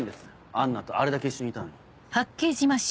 アンナとあれだけ一緒にいたのに。